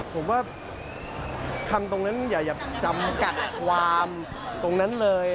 ผมว่าคำตรงนั้นอย่าจำกัดความตรงนั้นเลย